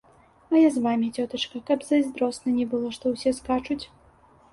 А я з вамі, цётачка, каб зайздросна не было, што ўсе скачуць.